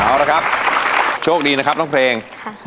เอาละครับโชคดีนะครับน้องเพลง